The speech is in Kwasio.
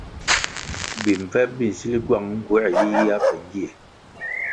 Bimbvep bi nsil gywang nğuer yiyia be ngie.